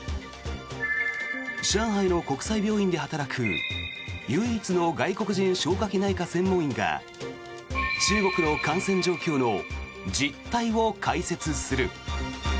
上海の国際病院で働く唯一の外国人消化器内科専門医が中国の感染状況の実態を解説する。